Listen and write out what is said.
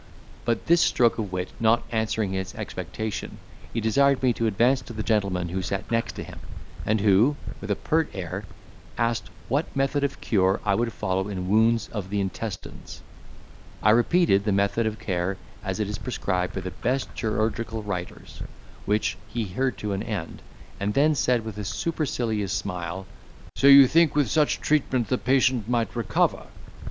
But this stroke of wit not answering his expectation, he desired me to advance to the gentleman who sat next him; and who, with a pert air, asked, what method of cure I would follow in wounds of the intestines. I repeated the method of care as it is prescribed by the best chirurgical writers, which he heard to an end, and then said with a supercilious smile, "So you think with such treatment the patient might recover?"